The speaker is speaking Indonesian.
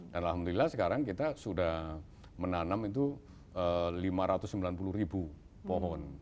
dan alhamdulillah sekarang kita sudah menanam itu lima ratus sembilan puluh ribu pohon